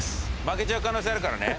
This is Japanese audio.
負けちゃう可能性あるからね。